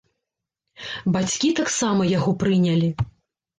Бацькі таксама яго прынялі.